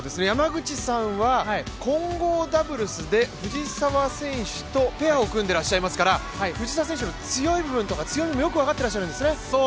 山口さんは混合ダブルスで藤澤選手とペアを組んでいらっしゃいますから藤澤選手の強い部分とか強みもよく分かってらっしゃるんですよね？